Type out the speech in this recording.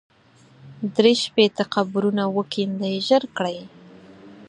درې شپېته قبرونه وکېندئ ژر کړئ.